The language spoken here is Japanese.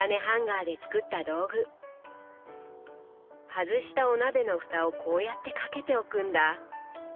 外したお鍋のふたをこうやって掛けておくんだ！